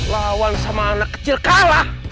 lawan sama anak kecil kalah